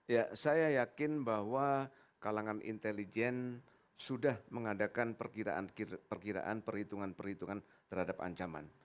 ya saya yakin bahwa kalangan intelijen sudah mengadakan perkiraan perhitungan perhitungan terhadap ancaman